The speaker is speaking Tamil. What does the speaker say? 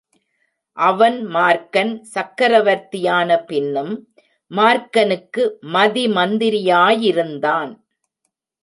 அவன் மார்க்கன் சக்ரவர்த்தியான பின்னும் மார்க்கனுக்கு மதிமந்திரியாயிருந்தான்.